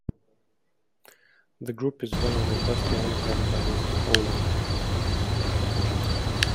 The group is one of the best known girl bands in Poland.